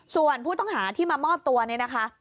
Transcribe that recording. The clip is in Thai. ส่วนผู้ต้องหาที่มามอบตัวเนี่ยนะคะ